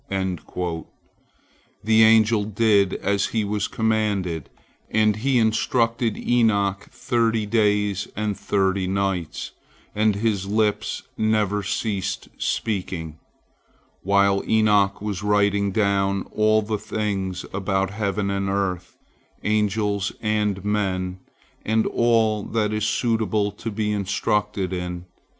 The angel did as he was commanded, and he instructed Enoch thirty days and thirty nights, and his lips never ceased speaking, while Enoch was writing down all the things about heaven and earth, angels and men, and all that is suitable to be instructed in.